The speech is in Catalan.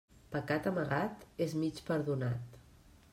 Pecat amagat és mig perdonat.